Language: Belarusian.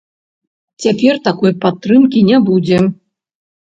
Цяпер такой падтрымкі не будзе.